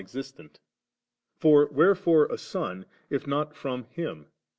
was non existent For wherefore a Son, if not from Him?